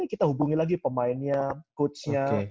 kita hubungi lagi pemainnya coachnya